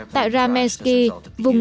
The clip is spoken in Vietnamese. tại rameski vùng